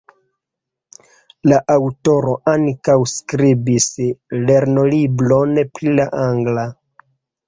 La aŭtoro ankaŭ skribis lernolibron pri la angla.